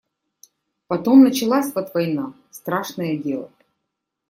Потом началась вот война — страшное дело.